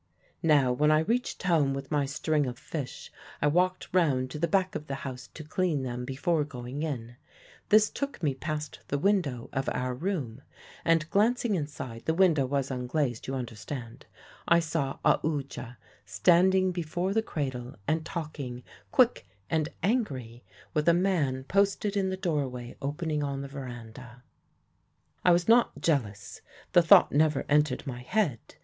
"Now when I reached home with my string of fish, I walked round to the back of the house to clean them before going in. This took me past the window of our room, and glancing inside the window was unglazed, you understand I saw Aoodya standing before the cradle and talking, quick and angry, with a man posted in the doorway opening on the verandah. "I was not jealous. The thought never entered my head.